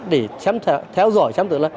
để theo dõi